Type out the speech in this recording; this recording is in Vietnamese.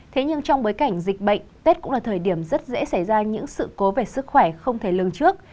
thế nhưng trong bối cảnh dịch bệnh tết cũng là thời điểm rất dễ xảy ra những sự cố về sức khỏe không thể lường trước